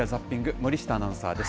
森下アナウンサーです。